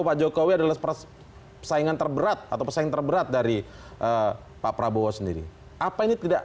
pak jokowi adalah persaingan terberat atau pesaing terberat dari pak prabowo sendiri apa ini tidak